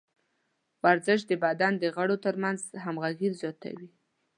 ورزش د بدن د غړو ترمنځ همغږي زیاتوي.